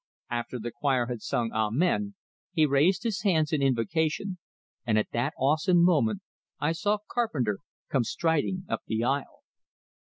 After the choir had sung "Amen," he raised his hands in invocation and at that awesome moment I saw Carpenter come striding up the aisle!